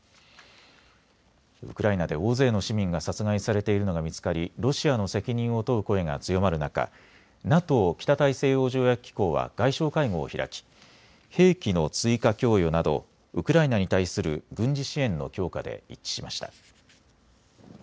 ウクライナで大勢の市民が殺害されているのが見つかりロシアの責任を問う声が強まる中、ＮＡＴＯ・北大西洋条約機構は外相会合を開き兵器の追加供与などウクライナに対する軍事支援の強化で一致しました。